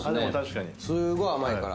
すーごい甘いから。